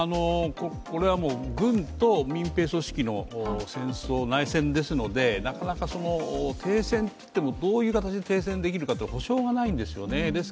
これは軍と民兵組織の戦争、内戦ですのでなかなか停戦といってもどういう形で停戦できるか保証がないんですよね。